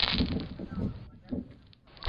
یاګانو تنوع کمولو ته اړتیا ده.